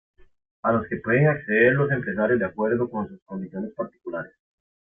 A los que pueden acceder los empresarios de acuerdo con sus condiciones particulares.